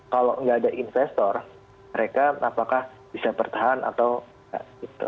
kalau nggak ada investor mereka apakah bisa bertahan atau enggak gitu